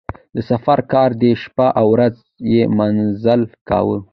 د سفر کار دی شپه او ورځ یې مزل کاوه.